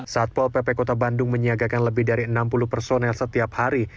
satpol pp kota bandung menyiagakan lebih dari enam puluh personel setiap hari